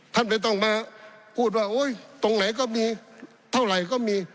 ไม่ต้องมาพูดว่าตรงไหนก็มีเท่าไหร่ก็มี